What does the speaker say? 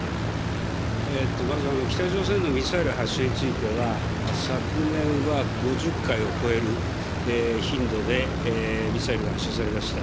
まず北朝鮮のミサイル発射については、昨年は５０回を超える頻度で、ミサイルが発射されました。